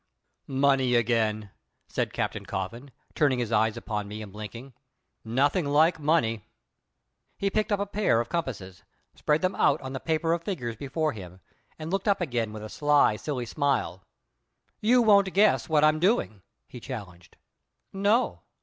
"Money again!" said Captain Coffin, turning his eyes upon me and blinking. "Nothing like money!" He picked up a pair of compasses, spread them out on the paper of figures before him, and looked up again with a sly, silly smile. "You won't guess what I'm doing?" he challenged. "No."